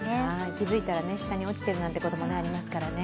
気づいたら下に落ちてることもありますからね。